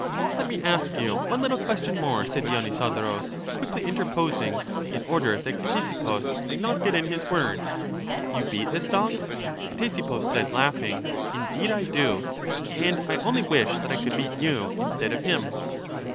Let me ask you one httle question more, said Di onysodorus, quickly interposing, in order that Cte sippus might not get in his word: You beat this dog? Ctesippus said, laughing, Indeed I do; and I only wish that I could beat you instead of him.